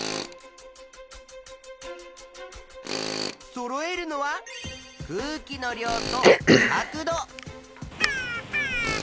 そろえるのは空気の量と角度。